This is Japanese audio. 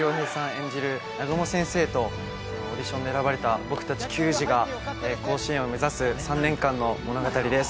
演じる南雲先生とオーディションで選ばれた僕たち球児が甲子園を目指す３年間の物語です